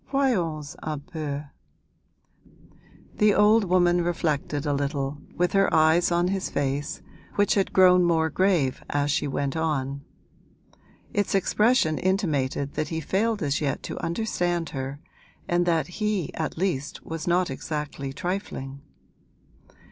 Voyons un peu!' The old woman reflected a little, with her eyes on his face, which had grown more grave as she went on; its expression intimated that he failed as yet to understand her and that he at least was not exactly trifling.